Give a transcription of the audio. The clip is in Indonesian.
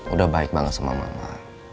udah baik banget sama mama